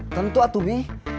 tentu atuh bi